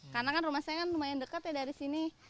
karena kan rumah saya lumayan dekat dari sini